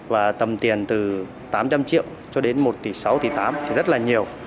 và tầm tiền từ tám trăm linh triệu cho đến một tỷ sáu tỷ tám thì rất là nhiều